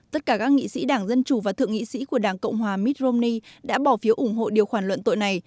tất cả các nghị sĩ đảng dân chủ và thượng nghị sĩ của đảng cộng hòa mitt romney đã bỏ phiếu ủng hộ điều khoản luận tội này